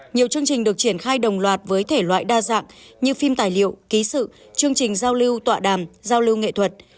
nhiều chương trình được triển khai đồng loạt với thể loại đa dạng như phim tài liệu ký sự chương trình giao lưu tọa đàm giao lưu nghệ thuật